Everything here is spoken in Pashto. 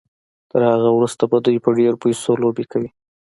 تر هغه وروسته به دوی په ډېرو پيسو لوبې کوي.